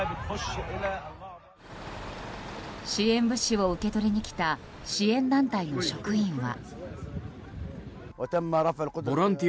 支援物資を受け取りに来た支援団体の職員は。